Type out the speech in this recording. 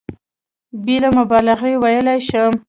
بېله مبالغې ویلای شم.